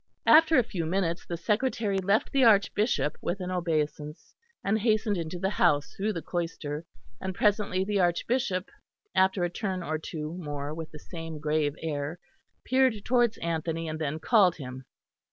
After a few minutes the secretary left the Archbishop with an obeisance, and hastened into the house through the cloister, and presently the Archbishop, after a turn or two more with the same grave air, peered towards Anthony and then called him.